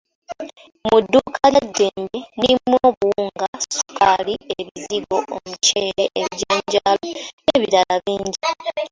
Mu duuka lya Dembe mulimu obuwunga, sukali, ebizigo, omuceere, ebijanjaalo, n'ebirala bingi.